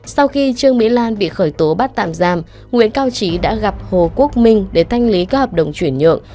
sau khi trương mỹ lan bị khởi tố bắt tạm giam nguyễn cao trí đã gặp hồ quốc minh để thanh lý các hợp đồng chuyển nhượng